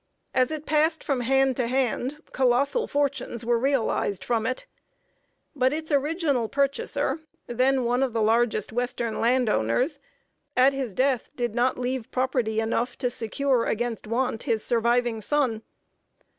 As it passed from hand to hand, colossal fortunes were realized from it; but its original purchaser, then one of the largest western land owners, at his death did not leave property enough to secure against want his surviving son.